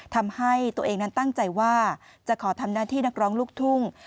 ทำให้ตัวเองนั้นตั้งใจว่าจะขอทำหน้าที่นักร้องลูกทุ่ง